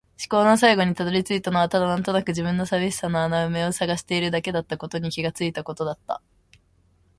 思考の最後に辿り着いたのはただ、なんとなくの自分の寂しさの穴埋めを探しているだけだったことに気がついたことだった。